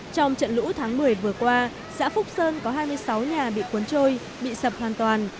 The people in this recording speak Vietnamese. trong trận lũ tháng một mươi vừa qua xã phúc sơn có hai mươi sáu nhà bị cuốn trôi bị sập hoàn toàn